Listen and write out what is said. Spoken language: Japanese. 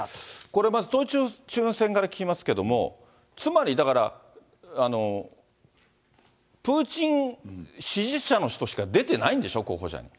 これ、まず統一地方選から聞きますけど、つまりだから、プーチン支持者の人しか出てないんでしょ、候補者に。